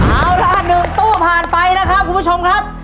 เอาละ๑ตู้ผ่านไปนะครับคุณผู้ชมครับ